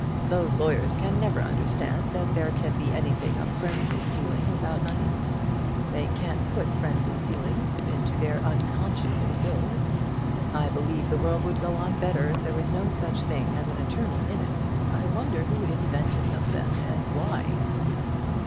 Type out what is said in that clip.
Those lawyers can never understand that there can be anything of friendly feeling about money. They can't put friendly feelings into their unconscionable bills. I believe the world would go on better if there was no such thing as an attorney in it. I wonder who invented them, and why?"